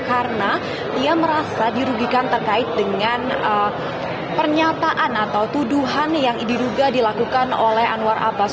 karena ia merasa dirugikan terkait dengan pernyataan atau tuduhan yang diduga dilakukan oleh anwar abbas